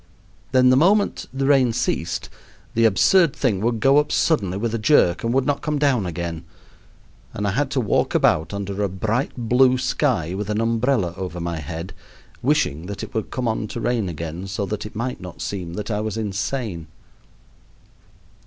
Then the moment the rain ceased the absurd thing would go up suddenly with a jerk and would not come down again; and I had to walk about under a bright blue sky, with an umbrella over my head, wishing that it would come on to rain again, so that it might not seem that I was insane.